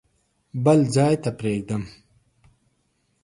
بل ځای ته پرېږدم.